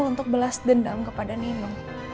untuk belas dendam kepada nino